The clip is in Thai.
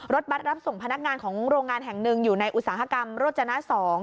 รถบัตรรับส่งพนักงานของโรงงานแห่งหนึ่งอยู่ในอุตสาหกรรมโรจนะ๒